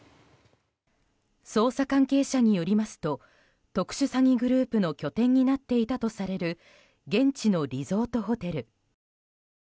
捜査関係者によりますと特殊詐欺グループの拠点になっていたとされる現地のリゾートホテル。